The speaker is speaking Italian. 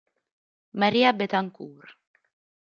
María Betancourt